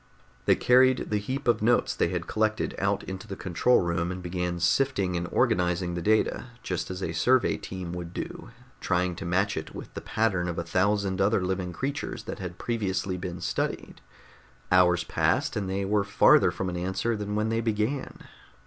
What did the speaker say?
They carried the heap of notes they had collected out into the control room and began sifting and organizing the data, just as a survey team would do, trying to match it with the pattern of a thousand other living creatures that had previously been studied. Hours passed, and they were farther from an answer than when they began.